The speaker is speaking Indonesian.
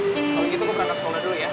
kalau begitu gue berangkat sekolah dulu ya